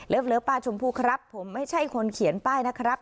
เลิฟเลิฟป้าชมพูครับผมไม่ใช่คนเขียนป้ายนะครับ